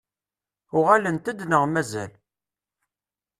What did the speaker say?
Uɣalent-d neɣ mazal?